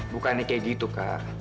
bukannya kayak gitu kak